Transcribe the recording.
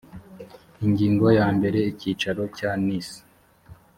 ingingo yambere icyicaro cya niss